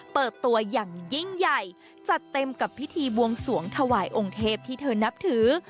เปิดตัวอย่างยิ่งใหญ่จัดเต็มกับพิธีบวงสวงถวายองค์เทพที่เธอนับถือ